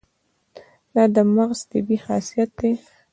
دا د مغز طبیعي خاصیت دی.